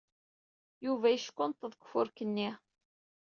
Yuba yeckunṭeḍ deg ufurk-nni.